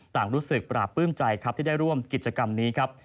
ต่างรู้สึกปราบปลื้มใจครับที่ได้ร่วมกิจกรรมนี้ครับ